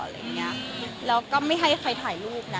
แล้วก็ไม่ให้ใครถ่ายรูปนะ